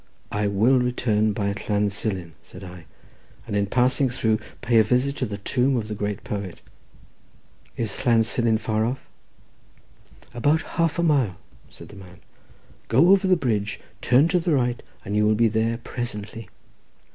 "I will return by Llan Silin," said I, "and in passing through pay a visit to the tomb of the great poet. Is Llan Silin far off?" "About half a mile," said the man. "Go over the bridge, turn to the right, and you will be there presently."